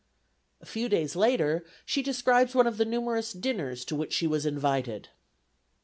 A few days later, she describes one of the numerous dinners to which she was invited.